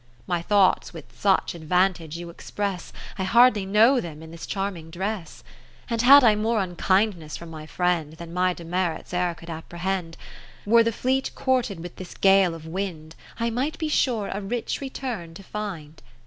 My thoughts with such advantage you express, I hardly know them in this charming dress. ao Katherine Philips And had I more unkindness from my friend Than my demerits e'er could appre hend, Were the fleet courted with this gale of wind, I might be sure a rich return to find.